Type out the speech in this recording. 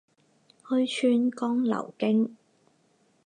虚川江流经。